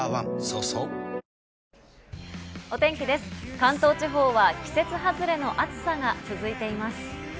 関東地方は季節外れの暑さが続いています。